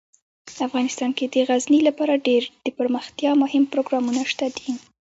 افغانستان کې د غزني لپاره ډیر دپرمختیا مهم پروګرامونه شته دي.